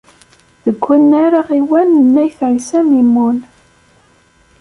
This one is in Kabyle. Deg unnar aɣiwan n Ayt Ɛisa Mimun.